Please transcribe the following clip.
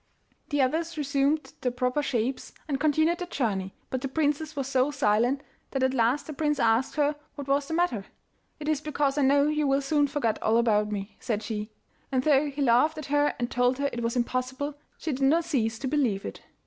The others resumed their proper shapes and continued their journey, but the princess was so silent that at last the prince asked her what was the matter. 'It is because I know you will soon forget all about me,' said she, and though he laughed at her and told her it was impossible, she did not cease to believe it.